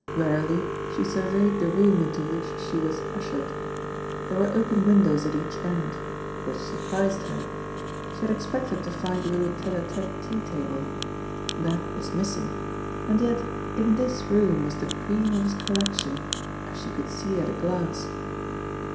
Warily she surveyed the room into which she was ushered. There were open windows at each end which surprised her. She had expected to find a little tete a tete tea table. That was missing, and yet in this room was the cream of his collection, as she could see at a glance.